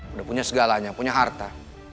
udah punya segalanya punya harta